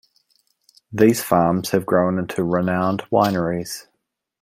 These farms have grown into renowned wineries.